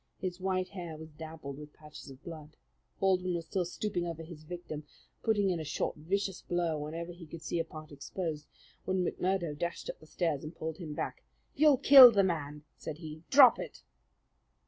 His white hair was dabbled with patches of blood. Baldwin was still stooping over his victim, putting in a short, vicious blow whenever he could see a part exposed, when McMurdo dashed up the stair and pushed him back. "You'll kill the man," said he. "Drop it!"